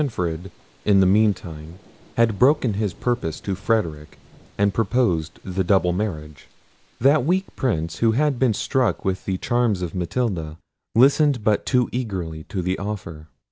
Manfred, in the meantime, had broken his purpose to Frederic, and proposed the double marriage. That weak Prince, who had been struck with the charms of Matilda, listened but too eagerly to the offer.